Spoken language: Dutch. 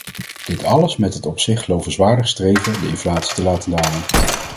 Dit alles met het op zich lovenswaardig streven, de inflatie te laten dalen.